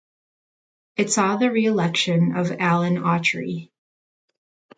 It saw the reelection of Alan Autry.